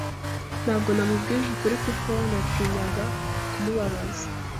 Ntabwo namubwije ukuri kuko natinyaga kumubabaza.